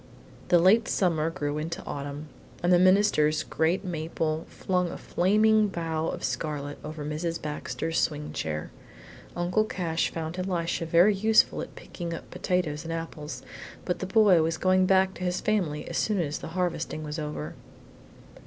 The late summer grew into autumn, and the minister's great maple flung a flaming bough of scarlet over Mrs. Baxter's swing chair. Uncle Cash found Elisha very useful at picking up potatoes and apples, but the boy was going back to his family as soon as the harvesting was over.